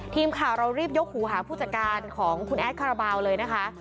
ทีมข่าวเรารีบยกหูหาผู้จัดการของคุณแอดคาราบาลเลยนะคะ